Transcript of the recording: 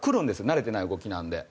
慣れてない動きなんで。